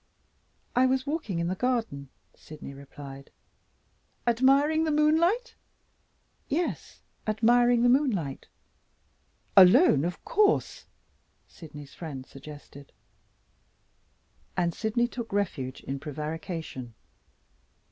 "I was walking in the garden," Sydney replied. "Admiring the moonlight?" "Yes; admiring the moonlight." "Alone, of course?" Sydney's friend suggested. And Sydney took refuge in prevarication.